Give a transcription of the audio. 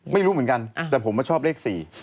ไม่รู้เหมือนกันแต่ผมมาชอบเลข๔